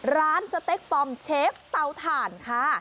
สเต็กปลอมเชฟเตาถ่านค่ะ